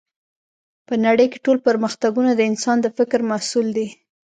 په نړۍ کې ټول پرمختګونه د انسان د فکر محصول دی